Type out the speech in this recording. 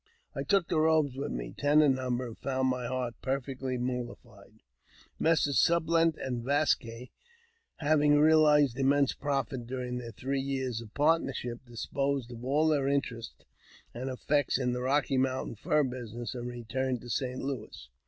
I took the robes with me, ten in number, and found my heart perfectly mollified. Messrs. Sublet and Vasques, having realized immense profits during their three years of partnership, disposed of all their interest and effects in the Eocky Mountain fur business, and returned to St. Louis.